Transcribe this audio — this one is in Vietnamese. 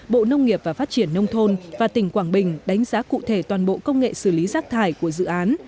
bộ nông nghiệp và phát triển nông thôn và tỉnh quảng bình đánh giá cụ thể toàn bộ công nghệ xử lý rác thải của dự án